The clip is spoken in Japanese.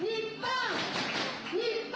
日本！